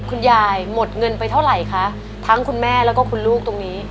คุณยายหมดเงินไปเท่าไหร่คะทั้งคุณแม่แล้วก็คุณลูกตรงนี้